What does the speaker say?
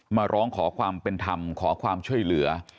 มาร้องขอความเป็นธรรมขอความช่วยเหลือ